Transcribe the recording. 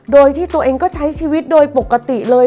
โดยที่ตัวเองก็ใช้ชีวิตโดยปกติเลย